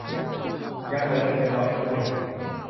ยังเหลืออีกเป็นร้อยนะเว้ย